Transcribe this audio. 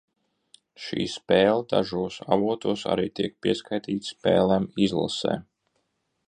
Šī spēle dažos avotos arī tiek pieskaitīta spēlēm izlasē.